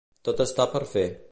Tot està per fer.